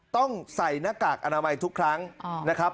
ต้องใส่หน้ากากอนามัยทุกครั้งนะครับ